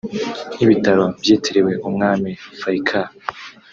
nk’ibitaro byitiriwe umwami Faical